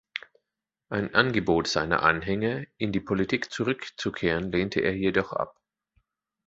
Ein Angebot seiner Anhänger, in die Politik zurückzukehren, lehnte er jedoch ab.